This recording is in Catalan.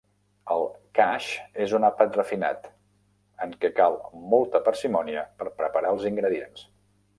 El Khash és un àpat refinat, en què cal molta parsimònia per preparar els ingredients.